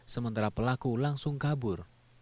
sementara pelaku langsung kabur